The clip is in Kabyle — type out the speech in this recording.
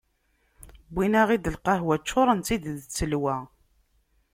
Wwin-aɣ-id lqahwa, ččuren-tt-id d ttelwa.